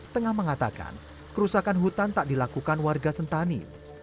tengah mengatakan kerusakan hutan tak dilakukan warga sentani